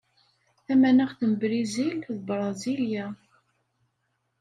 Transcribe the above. Tamaneɣt n Brizil d Brasilia.